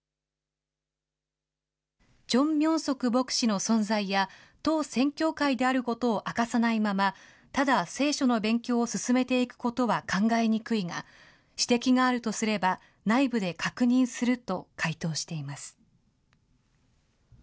チョン・ミョンソク牧師の存在や、当宣教会であることを明かさないまま、ただ聖書の勉強を進めていくことは考えにくいが、指摘があるとすれば、内部で確認すると回答しています。